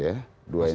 dua institusi ini